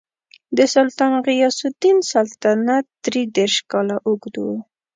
د سلطان غیاث الدین سلطنت درې دېرش کاله اوږد و.